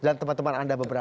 dan teman teman anda beberapa